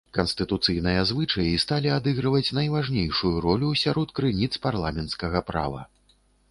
Канстытуцыйныя звычаі сталі адыгрываць найважнейшую ролю сярод крыніц парламенцкага права.